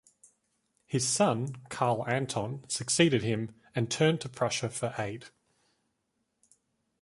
His son, Karl Anton, succeeded him, and turned to Prussia for aid.